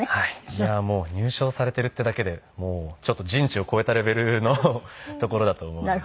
いやもう入賞されてるっていうだけでちょっと人知を超えたレベルのところだと思うので。